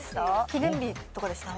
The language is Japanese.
記念日とかでした？